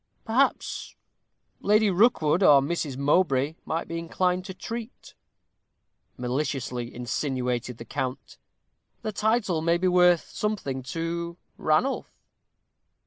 "Perhaps Lady Rookwood, or Mrs. Mowbray, might be inclined to treat," maliciously insinuated the count; "the title may be worth something to Ranulph."